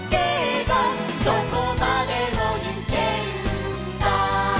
「どこまでもゆけるんだ」